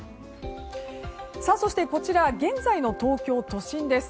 そして、こちら現在の東京都心です。